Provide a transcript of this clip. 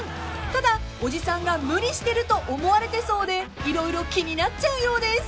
［ただおじさんが無理してると思われてそうで色々気になっちゃうようです］